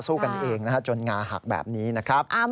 สู้กันเองจนงาหักแบบนี้นะครับ